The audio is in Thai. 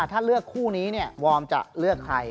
ถ้าเลือกคู่นี้เนี่ยวอร์มจะเลือกใคร